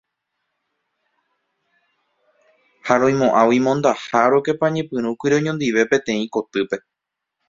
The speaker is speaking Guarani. Ha roimo'ãgui mondaha rokepañepyrũkuri oñondive peteĩ kotýpe.